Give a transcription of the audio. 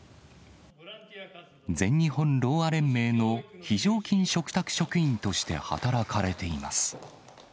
全日本ろうあ連盟の非常勤嘱託職員として働かれています。